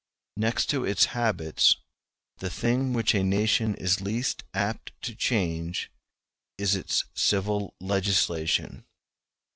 Next to its habits, the thing which a nation is least apt to change is its civil legislation.